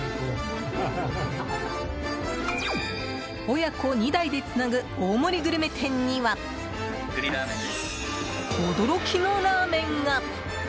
親子２代でつなぐ大盛りグルメ店には驚きのラーメンが。